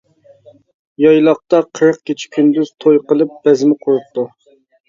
يايلاقتا قىرىق كېچە كۈندۈز توي قىلىپ، بەزمە قۇرۇپتۇ.